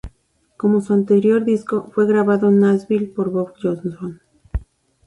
Como su anterior disco, fue grabado en Nashville por Bob Johnston.